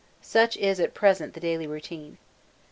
Such is at present the daily routine.